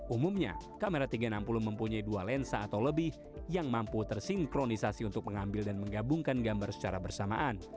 umumnya kamera tiga ratus enam puluh mempunyai dua lensa atau lebih yang mampu tersinkronisasi untuk mengambil dan menggabungkan gambar secara bersamaan